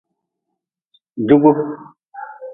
Jugu.